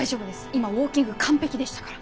今ウォーキング完璧でしたから。